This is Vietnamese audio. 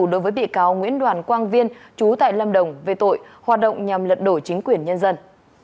đối với bị cáo nguyễn đoàn quang viên chú tại lâm đồng về tội hoạt động nhằm lật đổ chính quyền nhân dân